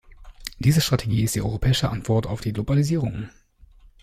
Diese Strategie ist die europäische Antwort auf die Globalisierung.